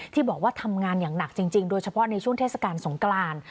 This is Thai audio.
ที่บอกว่าทำงานอย่างหนักจริงโดยเฉพาะในช่วงเทศกาลสงกราน